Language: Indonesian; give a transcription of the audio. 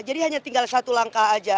jadi hanya tinggal satu langkah saja